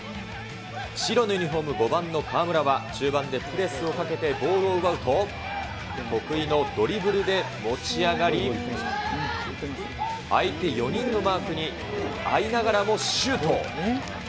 白のユニホーム、５番の川村は中盤でプレスをかけてボールを奪うと、得意のドリブルで持ち上がり、空いて４人のマークにあいながらもシュート。